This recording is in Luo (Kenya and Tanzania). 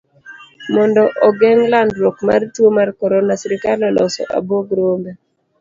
Mondo ogeng' landruok mar tuo mar corona, sirikal oloso abuog rombe.